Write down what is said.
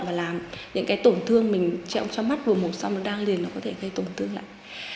và làm những tổn thương mình trẹo trong mắt vừa mổ xong đang liền có thể gây tổn thương lại